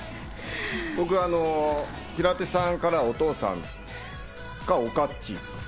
僕、あの平手さんから、お父さんか、岡っちか